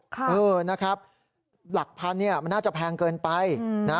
เออนะครับหลักพันเนี่ยมันน่าจะแพงเกินไปนะ